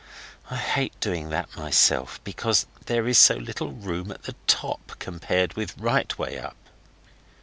I hate doing that myself, because there is so little room at the top compared with right way up.